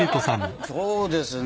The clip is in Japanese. そうですね